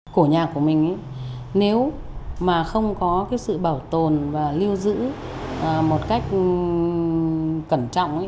cổ nhạc của mình nếu mà không có cái sự bảo tồn và lưu giữ một cách cẩn trọng